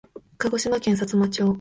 鹿児島県さつま町